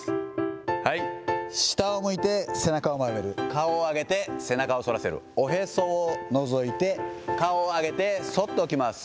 はい、下を向いて背中を曲げる、顔を上げて背中をそらせる、おへそをのぞいて、顔を上げてそっと起きます。